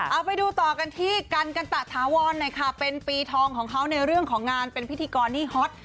เอาไปดูต่อกันที่กันกันตะถาวรหน่อยค่ะเป็นปีทองของเขาในเรื่องของงานเป็นพิธีกรที่ฮอต